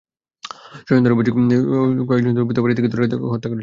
স্বজনদের অভিযোগ, কয়েকজন দুর্বৃত্ত বাড়ি থেকে ধরে নিয়ে গিয়ে তাঁকে হত্যা করেছে।